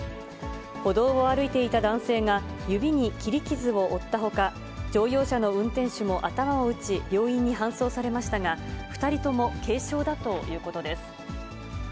歩道を歩いていた男性が指に切り傷を負ったほか、乗用車の運転手も頭を打ち、病院に搬送されましたが、２人とも軽傷だということです。